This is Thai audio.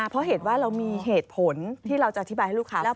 เพราะเหตุว่าเรามีเหตุผลที่เราจะอธิบายให้ลูกค้า